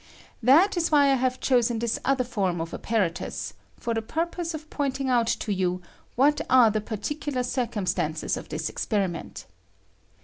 That is why I have chosen thia other fonn of appa ratus, for the purpose of pointing out to you what are the particular circumstances of this experiment.